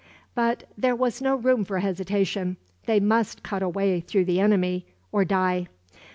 But there was no room for hesitation. They must cut a way through the enemy, or die.